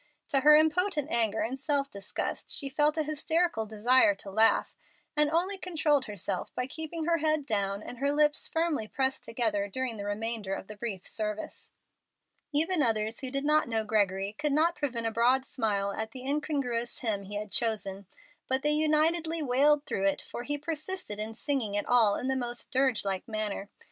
To her impotent anger and self disgust she felt a hysterical desire to laugh, and only controlled herself by keeping her head down and her lips firmly pressed together during the remainder of the brief service. Even others who did not know Gregory could not prevent a broad smile at the incongruous hymn he had chosen, but they unitedly wailed it through, for he persisted in singing it all in the most dirge like manner.